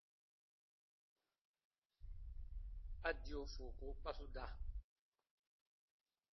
A dio fuuku kpa su da.